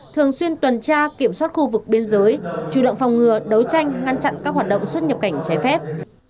thường xuyên tuần tra kiểm soát khu vực biên giới chủ động phòng ngừa đấu tranh ngăn chặn các hoạt động xuất nhập cảnh trái phép